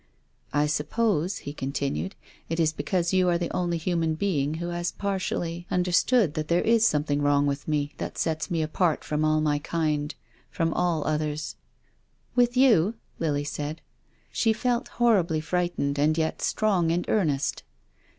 " I suppose," he continued, " it is because you arc the only human being who has partially under 202 TONGUES OF CONSCIENCE. stood that there is something with me that sets me apart from all my kind, from all the others." " With you ?" Lily said. She felt horribly frightened and yet strong and earnest.